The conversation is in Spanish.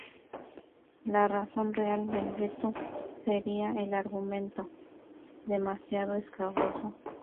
La razón real del veto sería el argumento, demasiado escabroso.